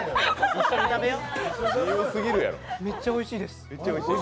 めっちゃおいしいです。